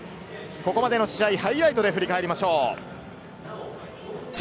ここまでの試合、ハイライトで振り返りましょう。